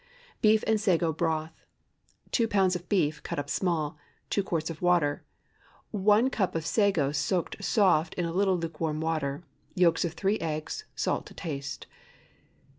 BEEF AND SAGO BROTH. 2 lbs. of beef—cut up small. 2 quarts of water. 1 cup of sago, soaked soft in a little lukewarm water. Yolks of three eggs. Salt to taste.